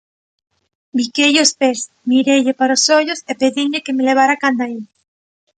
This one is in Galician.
Biqueille os pés, mireille para os ollos e pedinlle que me levara canda el.